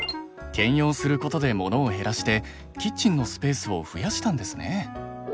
兼用することでモノを減らしてキッチンのスペースを増やしたんですね。